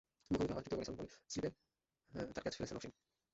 মুখোমুখি হওয়ার তৃতীয় বলেই সামির বলে স্লিপে তাঁর ক্যাচ ফেলেছেন অশ্বিন।